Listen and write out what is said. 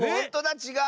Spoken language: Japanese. ちがう！